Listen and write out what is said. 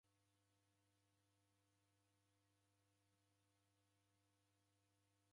Matuku ghamu nadatambwa w'ele lee niki charo.